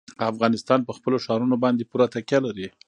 افغانستان په خپلو ښارونو باندې پوره تکیه لري.